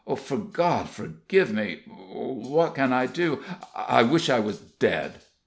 God forgive me! what can I do? I wish I was dead!"